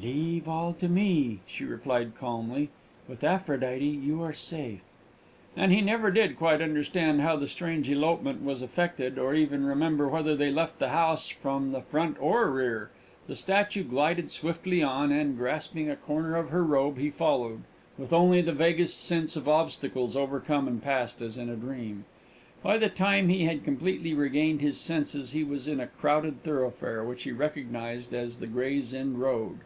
"Leave all to me," she replied calmly; "with Aphrodite you are safe." And he never did quite understand how that strange elopement was effected, or even remember whether they left the house from the front or rear. The statue glided swiftly on, and, grasping a corner of her robe, he followed, with only the vaguest sense of obstacles overcome and passed as in a dream. By the time he had completely regained his senses he was in a crowded thoroughfare, which he recognised as the Gray's Inn Road.